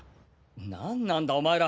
何なんだお前ら！？